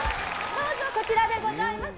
どうぞこちらでございます。